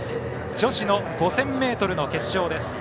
女子の５０００ｍの決勝です。